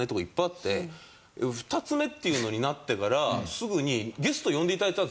二つ目っていうのになってからすぐに。